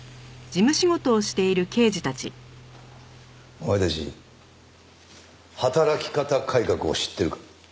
お前たち働き方改革を知っているか？